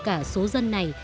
cả số dân này